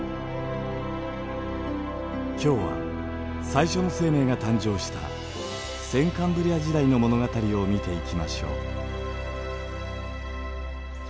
今日は最初の生命が誕生した先カンブリア時代の物語を見ていきましょう。